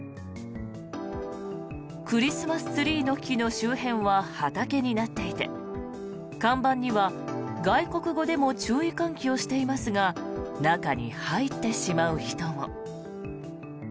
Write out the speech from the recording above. クリスマスツリーの木の周辺は畑になっていて看板には外国語でも注意喚起をしていますが中に入ってしまう人も。